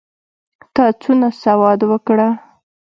تا څونه سودا وکړه؟